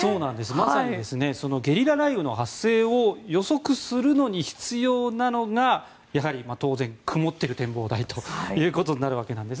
まさにゲリラ雷雨の発生を予測するのに必要なのが、当然、曇っている展望台ということになります。